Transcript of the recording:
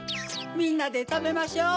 みんなでたべましょう！